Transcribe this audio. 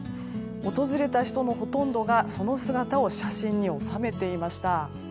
訪れた人のほとんどがその姿を写真に収めていました。